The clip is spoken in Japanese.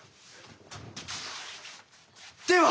では！